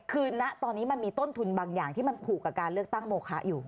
คือณตอนนี้มันมีต้นทุนบางอย่างที่มันผูกกับการเลือกตั้งโมคะอยู่